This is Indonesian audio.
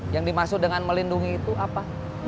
yang dimaksud dengan melindungi itu apa